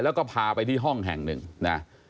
แล้วก็พาไปที่ห้องแห่งหนึ่งนะ